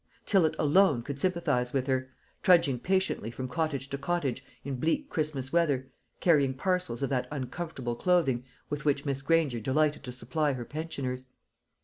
Tillott alone could sympathise with her, trudging patiently from cottage to cottage in bleak Christmas weather, carrying parcels of that uncomfortable clothing with which Miss Granger delighted to supply her pensioners.